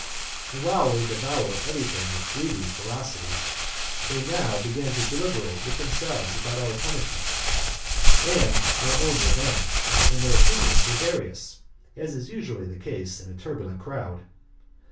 And, while they devour every thing with greedy voracity, they now began to deliberate with themselves about our punishment, and their own revenge, and their opinions were various, as is usually the case in a turbulent crowd.